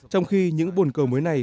trong khi những bồn cầu mới này